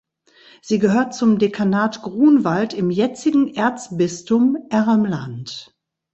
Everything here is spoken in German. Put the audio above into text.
Sie gehört zum Dekanat Grunwald im jetzigen Erzbistum Ermland.